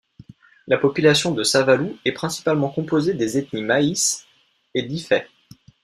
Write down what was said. La population de Savalou est principalement composée des ethnies Mahis et d'Ifè.